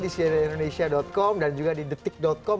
di cnnindonesia com dan juga di detik com